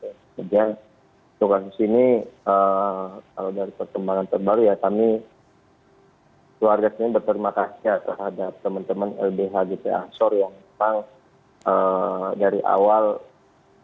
kemudian soal kasus ini kalau dari perkembangan terbaru ya kami keluarga sini berterima kasih terhadap teman teman lbhgp asyur yang memang dari awal mengawal betul